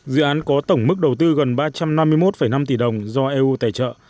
dự án có tổng mức đầu tư gần ba trăm năm mươi một năm tỷ đồng do eu tài trợ